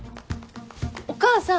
お母さん。